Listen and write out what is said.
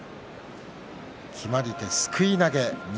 決まり手、すくい投げ錦